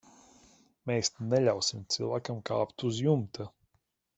Mēs neļausim cilvēkam kāpt uz jumta.